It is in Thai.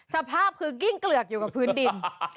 สภาพคือกิ้งเกลือกอยู่กับพื้นดิน